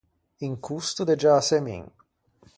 Un costo de giäsemin.